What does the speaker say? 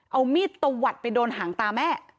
เอามีดตะวัดไปโดนหางตาแม่